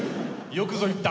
よくぞ言った！